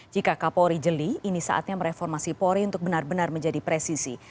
jika kapolri jeli ini saatnya mereformasi polri untuk benar benar menjadi presisi